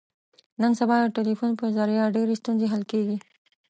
نن سبا د ټلیفون په ذریعه ډېرې ستونزې حل کېږي.